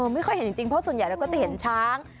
ไม่ค่อยเห็นจริงเพราะส่วนใหญ่เราก็จะเห็นช้าง